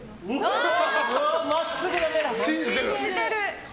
真っすぐな目だ。